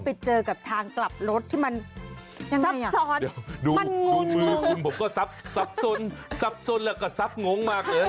ไปเจอกับทางกลับรถที่มันยังไงอ่ะซับซอดมันงงผมก็ซับซับสนซับสนแล้วก็ซับงงมาก